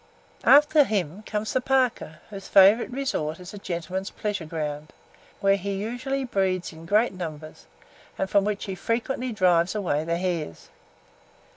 After him, comes the parker, whose favourite resort is a gentleman's pleasure ground, where he usually breeds in great numbers, and from which he frequently drives away the hares.